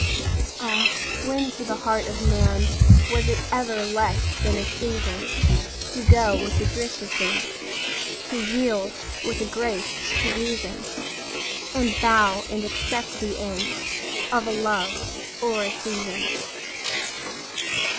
'Ah, when to the heart of manWas it ever less than a treasonTo go with the drift of things, To yield with a grace to reason, And bow and accept the endOf a love or a season?